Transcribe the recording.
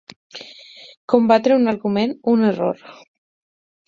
Combatre un argument, un error.